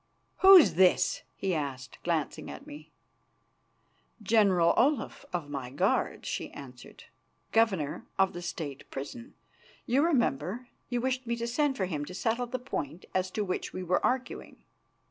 "Who's this?" he asked, glancing at me. "General Olaf, of my guard," she answered, "Governor of the State Prison. You remember, you wished me to send for him to settle the point as to which we were arguing."